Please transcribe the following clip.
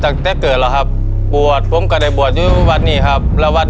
ข้อ๔ครับพศ๒๕๔๘ครับ